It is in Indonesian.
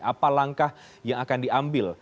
apa langkah yang akan diambil